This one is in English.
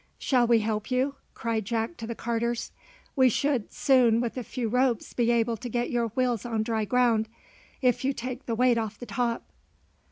"Shall we help you?" cried Jack to the carters. "We should soon with a few ropes be able to get your wheels on dry ground, if you take the weight off the top."